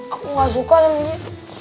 aku gak suka namanya